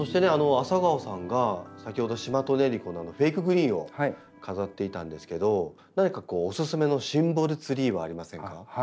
ａｓａｇａｏさんが先ほどシマトネリコのフェイクグリーンを飾っていたんですけど何かおすすめのシンボルツリーはありませんか？